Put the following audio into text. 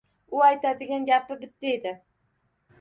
U aytadigan gapi bitta edi